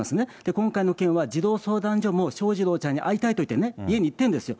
今回の件は児童相談所も翔士郎ちゃんに会いたいといって家に行ってるんですよ。